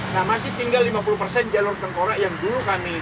nah masih tinggal lima puluh jalur tengkorak yang dulu kami